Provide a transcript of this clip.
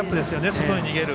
外に逃げる。